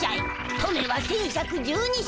トメは１，１１２歳。